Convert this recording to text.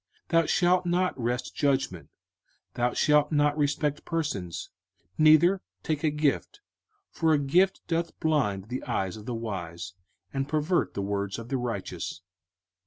05:016:019 Thou shalt not wrest judgment; thou shalt not respect persons, neither take a gift: for a gift doth blind the eyes of the wise, and pervert the words of the righteous.